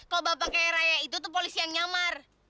kalau bapak kayaraya itu tuh polisi yang nyamar